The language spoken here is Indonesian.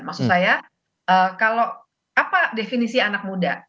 maksud saya kalau apa definisi anak muda